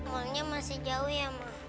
malnya masih jauh ya ma